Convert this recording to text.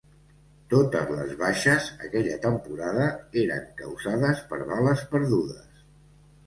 Totes les baixes, aquella temporada, eren causades per bales perdudes